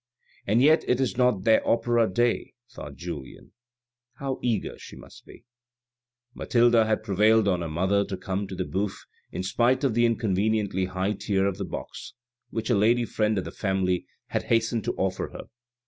" And yet it is not their Opera day," thought Julien ;" how eager she must be !" Mathilde had prevailed on her mother to come to the Bouffes in spite of the inconveniently high tier of the box, which a lady friend of the family had hastened to offer her.